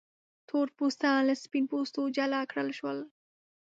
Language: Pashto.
تور پوستان له سپین پوستو جلا کړل شول.